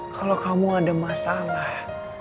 kalau kamu ada masalah